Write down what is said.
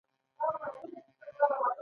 د قوې د څرخیدو اغیزه د مومنټ په نامه یادیږي.